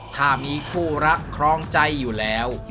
ถ้ามีคู่รักครองใจอยู่แล้ว